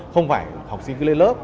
không phải học sinh cứ lên lớp